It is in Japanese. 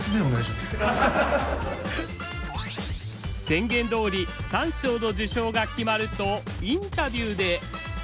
宣言どおり三賞の受賞が決まるとインタビューで。